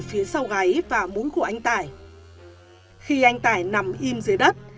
phía sau gáy và mũi của anh tải khi anh tải nằm im dưới đất